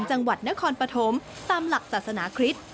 จังหวัดนครปฐมตามหลักศาสนาคริสต์